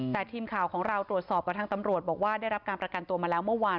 แต่ทีมข่าวของเราตรวจสอบกับทางตำรวจบอกว่าได้รับการประกันตัวมาแล้วเมื่อวาน